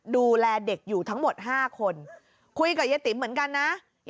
ดูแลเด็กอยู่ทั้งหมด๕คนคุยกับยายติ๋มเหมือนกันนะ